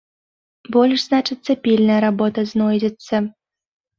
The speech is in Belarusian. Больш, значыцца, пільная работа знойдзецца!